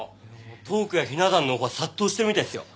トークやひな壇のオファー殺到してるみたいっすよ。